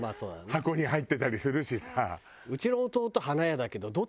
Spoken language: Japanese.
箱に入ってたりするしさ。と思うね。